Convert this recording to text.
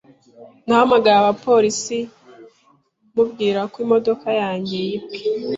Nahamagaye abapolisi mubwira ko imodoka yanjye yibwe.